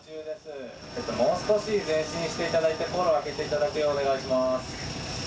もう少し前進していただいて、航路をあけていただくようお願いします。